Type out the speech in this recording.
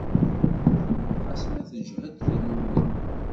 Xas ma teǧǧhed tannumi.